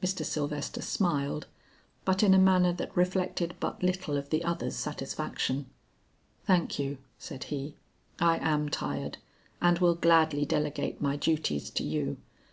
Mr. Sylvester smiled, but in a manner that reflected but little of the other's satisfaction. "Thank you," said he, "I am tired and will gladly delegate my duties to you.